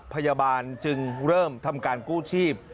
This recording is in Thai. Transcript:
พยาบาลจึงเริ่มทำการกู้ชีพ